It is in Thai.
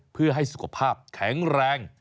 เพื่อให้สุขภาพแข็งแรง